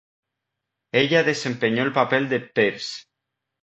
Ella desempeñó el papel de Peirce.